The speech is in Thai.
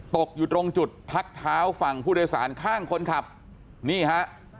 ตกอยู่ตรงจุดพักเท้าฝั่งผู้โดยสารข้างคนขับนี่ฮะ